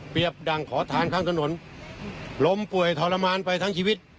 ดั่งขอทานข้างถนนล้มป่วยทรมานไปทั้งชีวิต